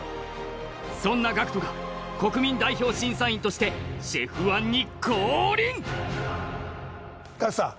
そんなＧＡＣＫＴが国民代表審査員としてＣＨＥＦ−１に降臨ＧＡＣＫＴさん